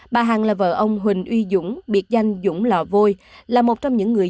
bà hằng là vợ ông huỳnh uy dũng biệt danh dũng lò vôi là một trong những người